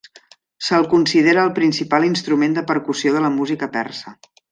Se"l considera el principal instrument de percussió de la música persa.